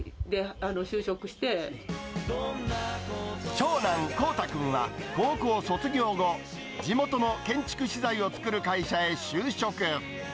長男、虹太君は高校卒業後、地元の建築資材を作る会社へ就職。